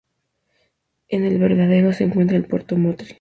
En El Varadero se encuentra el Puerto de Motril.